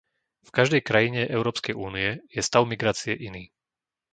V každej krajine Európskej únie je stav migrácie iný.